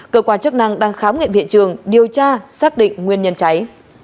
cơ quan chức năng đang khám nghiệm hiện trường điều tra xác định nguyên nhân cháy